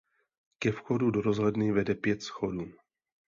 Ke vchodu do rozhledny vede pět schodů.